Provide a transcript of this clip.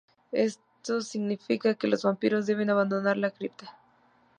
Eso significa que los vampiros deben abandonar la cripta.